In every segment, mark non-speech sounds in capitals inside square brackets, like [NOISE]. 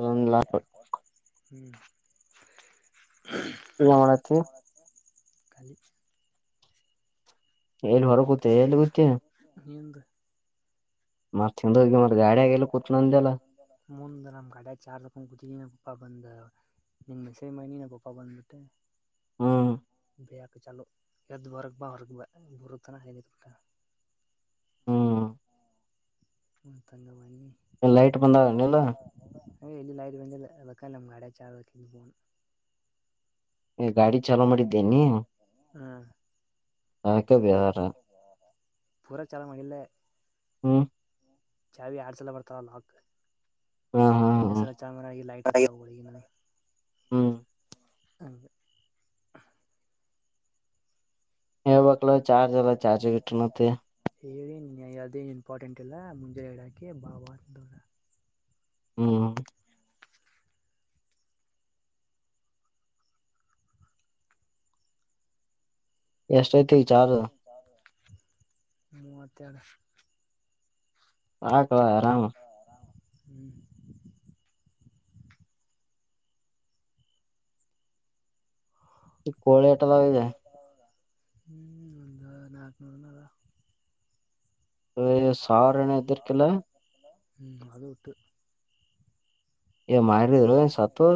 ಇಲ್ಲ [UNINTELLIGIBLE] [INAUDIBLE] ಎಲ್ಲಿ ಹೊರಗೆ ಕುಂತಿಯ ಎಲ್ಲಿ ಕುಂತಿಯ ನಿಂದು ಮತ್ತ್ ತಿಂದೋಗಿ ಮತ್ತ್ ಗಾಡಿಯಾಗ ಎಲ್ಲ ಕುತಿದೀನಿ ಅಂದಲ್ಲ [UNINTELLIGIBLE] [UNINTELLIGIBLE] ಹಾ [UNINTELLIGIBLE] ಹ್ಮ್ [UNINTELLIGIBLE] ಲೈಟ್ ಬಂದನಲ್ಲ [UNINTELLIGIBLE] ಗಾಡಿ ಚಾಲು ಮಾಡಿದೇನ ನೀ ಹ [UNINTELLIGIBLE] ಪೂರ ಚಾಲು ಮಾಡಿಲ್ಲ ಹ್ಮ್ ಹಾ [UNINTELLIGIBLE] ಹಾ ಹಾ [UNINTELLIGIBLE] ಹ್ಮ್ ಹಾ [INAUDIBLE] ಹಾ [INAUDIBLE] ಚಾರ್ಜ ಇಲ್ಲ ಚಾರ್ಜಿ ಇಟ್ಟು [UNINTELLIGIBLE] ಹೇಳಿ ಯಾವುದೇನು ಇಂಪಾರ್ಟೆಂಟ್ ಇಲ್ಲ ಮುಂಜಾನೆ ಇಡೋಕ್ಕೆ ಭಾವ ಹ್ಮ್ ಎಷ್ಟ ಐತಿ ಚಾರ್ಜ್ ನತಾರ ಹಾಕವಾ ಆರಾಮ ಹ್ಮ್ ಈ ಕೋಳಿ ಆಟಲಗಿದೆ ಹ್ಮ್ ಒಂದ ನಲ್ಕನೂರು ನಾರಾ ಸಾರನ ಎದರ್ಕಲ್ಲ ಹ್ಮಞ ಅದು ಇಟ್ಟು ಏ ಮಾಡಾರಿದರು ಸತ್ತು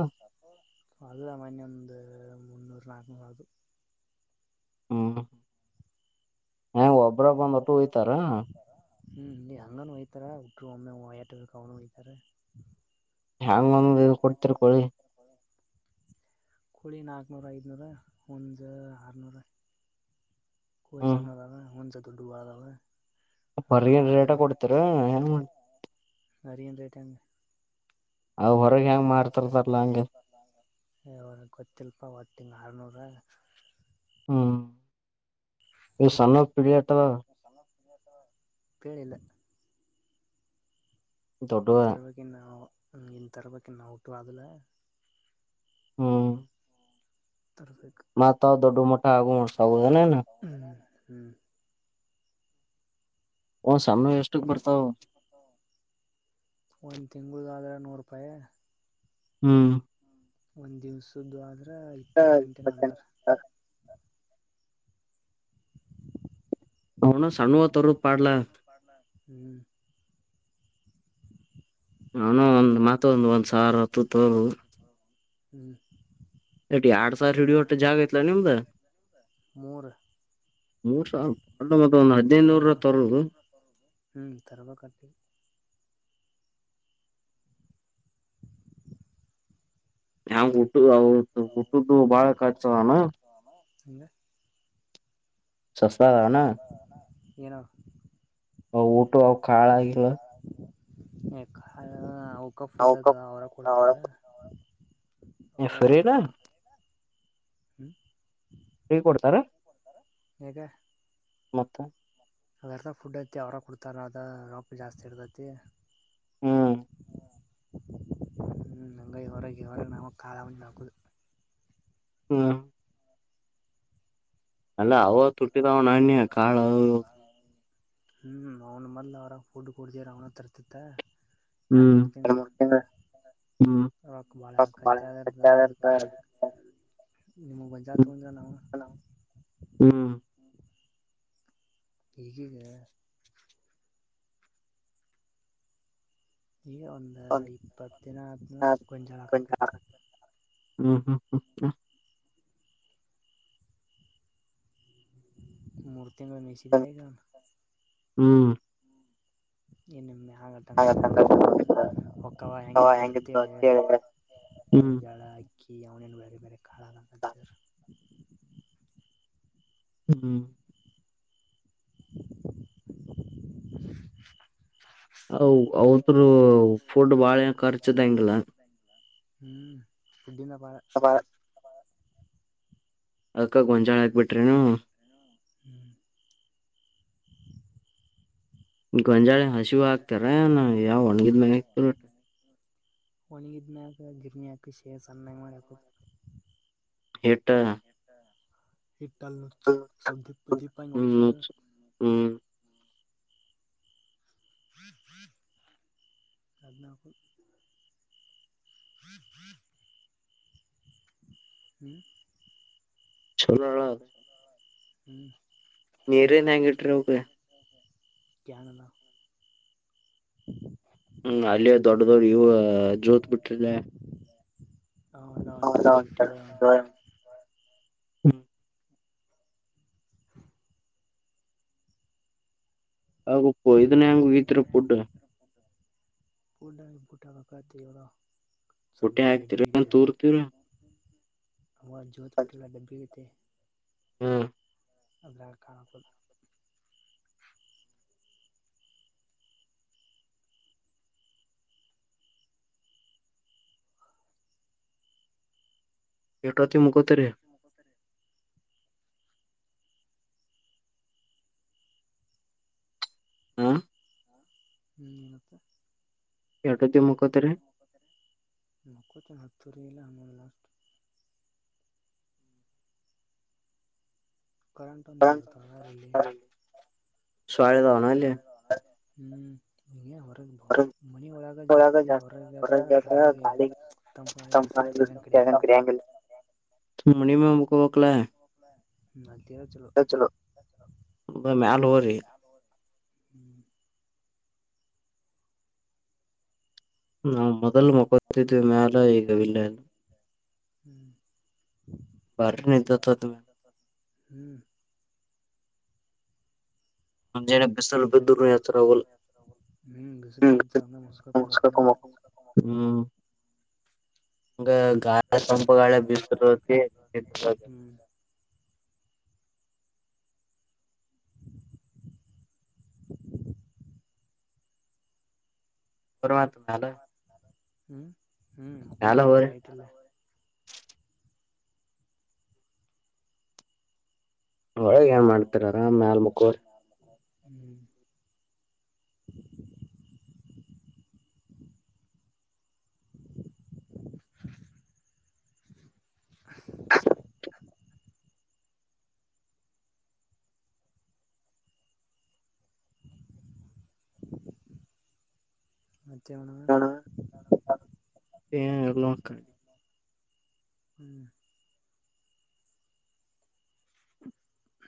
ಅಲ್ಲ ಮನ್ನೆ ಒಂದು ಮುನ್ನೂರು ನಾಲ್ಕು ಆಗ ಹ್ಮ್ ಹ ಒಬ್ರ ಬಂದ್ಟ್ಟು ಹಯ್ತಾರ ಹ್ಮ್ ನೀ ಹಂಗಾನ ಹಯ್ತಾರ ಹಟ್ರು ಒಮ್ಮೆಯಟ ಅವನು ಹಯ್ತಾರ ಹೆ್ಯಾಂಗ ಒಂದ ಕೊಡ್ತಿರ್ ಕೋಳಿ ಕೋಳಿ ನಾಕುನೂರ ಐದುನೂರ ಒಂದು ಆರ್ನೂರ ಕೊಯ ಸ ಹ್ಮ್ ನದಾವ ಹುನ್ಚ ತುಡ್ಡುಬದಾವ ಹೊರಿಗ ರೇಟ ಕೊಡ್ತಿೀರ ಏನ್ ಮಾಡ ನಾರಿಯನು ರೇಟಂಗ ಅವ್ ಹೊರಗೆ ಹೆಂಗ ಮಾಡ್ತಾರದರ್ಲ್ಲಾ ಹಂಗಗೆ ತ್ತ ಅರನೂರು ಹ್ಮ್ ನೀ ಸಣ್ಣ ಪಿಳಿಯಾಟದ ಹೇಳೇಳಿಲ್ಲ ದೊಡ್ಡ ತರವಾಗಿಕ ನ ಇನ್ನು ತರವಾಗಿಕ ನ ಔಟು ಅದಲ್ಲ ಹ್ಮ ತ್ತರ್ಸ ಮಟ್ಟ ಆಗು ಹ್ಮ ಹೌದನೇನ ಹ್ಮ್ ಒಂದ್ ಸಣ್ಣ ಎಷ್ಟಕ್ ಬರ್ತಾವ ಒಂದ್ ತಿಂಗಳ ಆದ ನೂರು ರೂಪಾಯ ಹ್ಮ್ ಒಂದ್ ದಿವ್ಸ್ದು ಆದ್ರ ಇಪ್ಪತ್ತೆಂಟ ನಲ್ಾರ ಹಣ ಸ್ಣುವ ತರರು ಪಡ್ಲಾ ಹ್ಮ್ ನಾನು ಒಂದ್ ಮತ ಒಂದ ಒಂದ್ ಸಾವಿರ ಹತ್ತು ತೋ ಹ್ಮ್ ಎಟಿ ಆಡಸ ಹಡಿ ಹೊಟ್ಟ ಜಾಗಯಲ್ಲ ನಿಮದ ಮೂರ್ ಮೂರ್ ಸಾವಿರ ಮತ್ತ ಒಂದ್ ಹದ್ನೈದುನೂರ ಹ್ಮ್ ತರದು ಹ್ಞೂ ತರ್ಬೇಕಟ್ಟಿ ನ ಹುಟ್ಟು ಹುಟ್ಟ್ದು ಹ್ಞೂ ಬಾಳ ಕರ್ಚದಾನ ಹಂಗೆ ಸಸ್ತಾ ಹಾವನಾ ಏನೋ ಅವ ಊಟ ಅವ ಕಖಾಳ ಆಾಗಿಿಲ್ಲ ಯ ಅವಕ ಫುಡ್ ಅದ ಅವಕ ಅವರ ಕೊಡ್ತಾರ ಅವಾ ಫ್ರೀನಾ ತಟಾ ಹ್ಮ ಫ್ರೀ ಕೊಡ್ತಾರ ಹಗೆ ಮತ್ತ ಅವರ್ದ ಫುಡ್ ಐತಿ ಅವ್ರ ಕೊಡ್ತಾರ ಅದ ರೋಪಿ ಜಾಸ್ತಿ ಇರ್ತೈತಿ ಹ್ಮ್ ಹ್ಮ್ ನಂಗೈ ಹೊರಗೆ ಹೊರಗೆ ನಾ ಕಾಲಂದು ಹಾಕುದು ಹ್ಮ್ ಅಲ್ಲ ಅವ ತುಟ್ಟಿದಾವ ನಾಣ್ಯ ಕಾಳ ಹ್ಮ್ ಅವ್ನ ಮೊದ್ಲು ಅವ್ರಾಗ ಫುಡ್ ಕೊಡ್ತವಾರ ಅವನ ತರ್ತಿತ್ತ ಯಾನ ಹ್ಮ್ ಮಾಡತೀನೋ. ಹ್ಮ್ ಹ್ಮ್ ಹ್ಮ್ ರಕ್ ಬಾಳ ಕತ್ಯಾದ್ರ್ದ ಅದಕ್ಕೆ. ನಿಮ್ಮು ಗೊಂಜಾಳ ತೊಂದೇವ ನಾವು. ಹ್ಮ್. ಈಗೀಗ. ಈಗ ಒಂದು ಇಪ್ಪತ್ತು ದಿನ ಆಯ್ತ್ ನೋ ಗೊಂಜಾಳ ಹಾಕಕೈತಿ. [INAUDIBLE] ಮೂರ ತಿಂಗಳ ಮೇಶಿಗಿ ಅಗಿ. ಹ್ಮ್ ಹ್ಮ್ ಇನ್ನ್ ಮ್ಯಾ ಹಂಗತ ಒಕ್ಕವ ಹೆಂಗಿದ್ರು ಅತ್ತೇಳ. ಹ್ಮ್ ಒಂಜಳ ಆಕ್ಕಿ ಅವನ ಬೇರೆ ಬೇರೆ. ಕಾಳಾಗಂತಾರೆ [INAUDIBLE] ಹ್ಮ್. [INAUDIBLE] ಅವದರು ಫುಡ್ ಬಾಳ ಖರ್ಚದಂಗಿಲ್ಲ [INAUDIBLE] [UNINTELLIGIBLE] ಅದಕ್ಕ ಗೊಂಜಾಳ ಹಾಕ್ಬಿಟ್ರೇನು [INAUDIBLE] ಗೊಂಜಾಳ ಏನ ಹಸಿವ ಹಾಕ್ತಿರೋ ಯಾವ ಒಣಗಿದ್ ಮ್ಯಾಗ ಹಾಕ್ತಿರೋ. ಒಣಿಗಿರಿನಕ ಗಿರ್ಮಿಯಾಕ ಶೇ ಸಣ್ಣ ಮಾಡ ಆಕುದು. ಎಟ್. ದಿಪ್ಪನು ಸದ್ಯಕ್ಕ ದಿಪ್ಪಾನು ಹ್ಮ್ ಒಡಸುದ. ಹ್ಮ್ [INAUDIBLE] [INAUDIBLE] ಹ್ಮ್. ಚಲೋ ಅಳ ಅಣ್ಣಾ. ಹ್ಮ್. ನೀರ ನಂಗ ಇಟ್ಟ ನೋಗ. ಕ್ಯಾನ್ ಅದಾವ. ಹ್ಮ್ ಅಲ್ಲಿಯ ದೊಡ್ಡ ದೊಡ್ ಇವ ಜೋತ್ ಬಿಟ್ಟೇರಿ ಲಾ. ಅವೆಲ್ಲ ಒಂಥರ ಇಟ್ಟಿವ [INAUDIBLE] [UNINTELLIGIBLE] [UNINTELLIGIBLE] ಹೊಟ್ಟೆ ಡಬ್ಬಿ ಗಿಡ ಆಾಕ್ತಿರನ್ ದುಡ್ಡು ತೋರ್ತಿವ್ರ. ಅವ ಜೋತ್ ಕುಟ್ಟಿಗಳ ಡಬ್ಬಿ ಗತೇ. ಹ್ಮ್ ಆದ್ರಾಗ ಹಾಕೋದ. ಎಟೋತಿ ಮುಕೋತರಿ [INAUDIBLE] ಹ್. ಹ್ಮ್ ಮತ್ತ. ಎಟೋತಿ ಮುಕೋತರಿ ಮಕ್ಕೋತೆನ್. ಹತ್ತೂವರೆ ಹನ್ನೊಂದ ಲಾಸ್ಟ್. ಕರೆಂಟ್ ಒಂದಿಲ್ಲ ತಲ್ಲಿ. ಸೊಳ್ಳೆ ಅದಾವ ಏನ್ ಅಲ್ಲಿ. [UNINTELLIGIBLE] [UNINTELLIGIBLE] ಒಳಗ ಜಾಸ್ತಿ ಹೊರದ ಆದ್ರ ಗಾಳಿಗೆ ಗಾಳಿ ತಂಪ ಗಾಳಿ ಬಿಸ್ತೈತಿ ಕಡಿಯಂಗಿಲ್ಲ. [INAUDIBLE] ಮನಿ ಮ್ಯಾಗ ಮಕ್ಕೊ ಬೇಕ ಲಾ ಹ್ಮ್ ಅಲ್ತೀರ ಅದ ಚಲೋ. ಅದ ಮ್ಯಾಲ ಹೋರಿ. ಹ್ಮ್. ನಾವು ಮೊದಲು ಮಕತಿದ್ವಿ ಮ್ಯಾಲ ಈಗ ಇಲ್ಲ ಇಲ್ಲ. ಹ್ಮ್. ಬಾರ. [INAUDIBLE] ಹ್ಮ್. ನನ್ನ ಕಡೆ. ಎಳೆ ಬೀಸಲು ಬಂದದ ಎಚ್ಚರ ಅಗಾವಲ್ದು ಬಿಸಿಲು ಬೀದರ ಅಂಗ ಮಸುಕು ಹಾಕಿ ಮಲಕೊಂಡು ಬಿಡ್ಡು. ಹ್ಮ. [UNINTELLIGIBLE] ಹಂಗ ಗಾಳಿ ತಂಪ ಗಾಳಿ ಬಿಸತಾ ಇರತೈತಿ. ಹ್ಮ್ [UNINTELLIGIBLE] [INAUDIBLE] ಹ್ಮ್ ಹ್ಮ್ ಮ್ಯಾಲ ಹಕ್ಕೋಗ ಹೋರಿ ಲೈಟ್ ಇಲ್ಲ. ಒಳಗೆ ಏನ್ ಮಾಡ್ತೀರಿ ಅರಾಮ್ ಮೇಲೆ ಮಕೋರಿ. [UNINTELLIGIBLE] ಮತ್ತೆ ಮೇಡಮ್ [INAUDIBLE] [INAUDIBLE] [INAUDIBLE]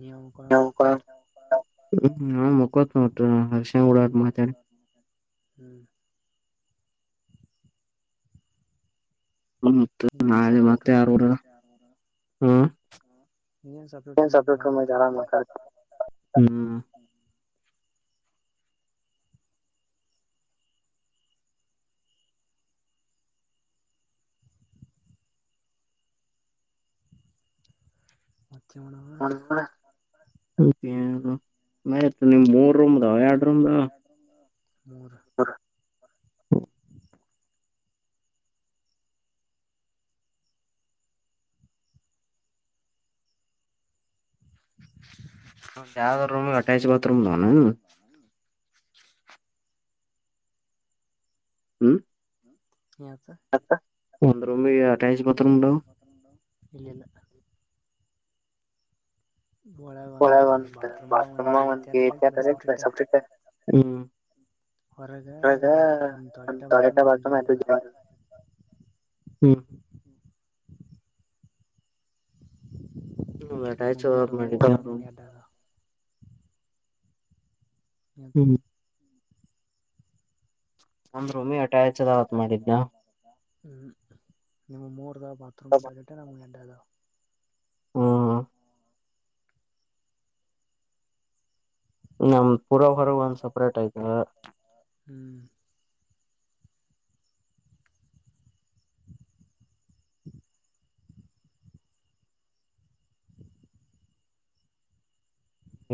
ನೀವು ಮಕ್ಕೊಳ್ಳೋಣ ಯಾವಾಗ ಮಲಕೋವಾ ನಾ ಮಕೊಂತನ ಒಟ್ಟ ಹರ್ಷನ ಗುಡ ಹಾಟ ಮಾತಾಡಿ. [UNINTELLIGIBLE] ಮತ್ತ್ ಇಲ್ಲ ನಾಳೆ ಸಪ್ರೇಟ್ ಮತ್ತೆ ರೂಲ್. ಯಾರ್ ಗೂಡರ ಹ್ಮ್ ನಿನಗ ಏನು ಐತೆ ಸೆಪರೇಟ್ ಆರಾಮ ರೂಮ್ ಆಯ್ತಿ ಮಾತಾಡ್ತೀನಿ ಮಲ್ಕಾಂತಿ. ಹ್ಮ್. ಹ್ಮ್ [UNINTELLIGIBLE] [INAUDIBLE] ನಿಮ್ ಮೂರ್ ರೂಮದಾವ ಎರಡು ರೂಮದವ. ಮೂರು. ಒಂದ್ ಯಾವ್ದ ರೂಮ್ ಅಟ್ಯಾಚ್ ಬಾತ್ರೂಮ್ ಅದಾವನ ಹ್ಮ್. ಏನಾಯ್ತು. ಮತ್ತ ಒಂದ್ ರೂಮಿಗೆ ಅಟ್ಯಾಚ್ ಬಾತ್ರೂಮ್ ಅದಾವ [INAUDIBLE] ಇಲ್ಲಲ್ಲ. ಒಳಗ ಒಂದ್ ಬಾತ್ರೂಮ್ ಒಂದ ರೀತಿಯ ಟಾಯ್ಲೆಟ್ ಸೆಪ್ರೇಟ್. ಹ್ಮ್ ಹೊರಗ ಒಳಗ ಒಂದ್ ಟಾಯ್ಲೆಟ್ ಬಾತ್ರೂಮ ಇತ್ತು ಬಾತ್ರೂಮ್ ಜಾಯಿಂಟ್ ಎರಡು ಆಗಿ. ಜಾರ್ ಹ್ಮ್. ಹ್ಮ ನಿಮ್ಮ ಅಟ್ಯಾಚ್ ಮೂರು ಹೋಗೋಕ್ಕೆ ಅದಾವು ಮಾಡಿದರ ನಮ್ಮ ಬಾತ್ರೂಮ್. ಎರಡು ಅದಾವ ಹ್ಮ್ [UNINTELLIGIBLE] ಒಂದು ರೂಮಿಗೆ ಅಟ್ಯಾಚ ಆವ ಅಂತ ಮಾಡಿದೆ ಹೇಳ. ಹ್ಮ್ ನಿಮವ ಮೂರ ಅದಾವ ಬಾತ್ ರೂಮ್ ಟಾಯ್ಲೆಟ್ ನಮವ ಎರಡದಾವ. ಹ್ಮ. ನಮದು ಪುರ ಹೊರಗ ಒಂದ್ ಸಪ್ರೇಟ್ ಆಯಿತ. ಹ್ಮ್.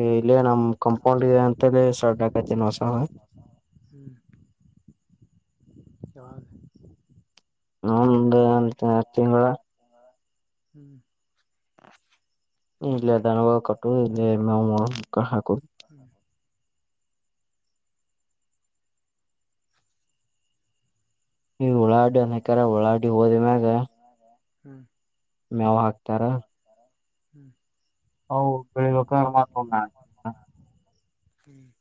ಏ ಇಲ್ಲೇ ನಮ ಕಂಪೌಂಡಗೆ ಅಂತಲೆ ಸೆಡ್ ಅಡಕತೀನಿ ಹೊಸದು. [UNINTELLIGIBLE] [UNINTELLIGIBLE] ಇನ್ನೊಂದು ಎರಡು ತಿಂಗಳ. [UNINTELLIGIBLE] ಇಲ್ಲೆ ದನ ಅವು ಕಟ್ಟೋದು ಮೇವು ಹಾಕೋದು. ಹ್ಞೂ ಈ ಉಳಾಡಿ ಅನೇಕರ ಓಳಾಡಿ ಹೋದ ಮ್ಯಾಗ. ಹ್ಮ್. ಮ್ಯವು ಹಾಕ್ತಾರ. ಹ್ಮ್. ಅವು ಬೆಳಬೇಕು ಅಂದರ ಮತ ಒಂದು ನಾಲ್ಕು ಚಿಲ್ಲ. ಹ್ಮ್.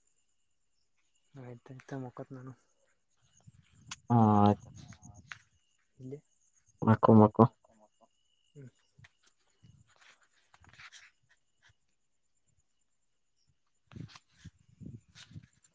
ಆಯ್ತು ಇತ ಮಕತ್ತ ನಾನು. ಹಾ ಆಯ್ತಾ ಇಲ್ಲ [UNINTELLIGIBLE] ಮಕ್ಕೊ ಮಕ್ಕೊ ಹ್ಮ್ [UNINTELLIGIBLE] [UNINTELLIGIBLE]